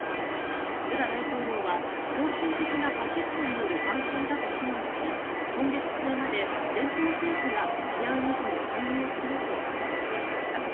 ルラ大統領は狂信的なファシストによる蛮行だと非難し今月末まで連邦政府が治安維持に介入すると明らかにしました。